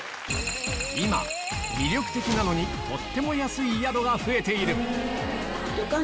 今魅力的なのにとっても安い宿が増えている旅館